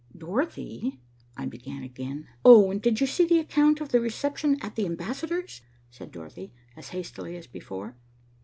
"Dorothy," I began again. "Oh, and did you see the account of the reception at the Ambassador's," said Dorothy, as hastily as before.